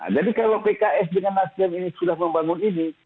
jadi kalau pks dengan nasdem ini sudah membangun ini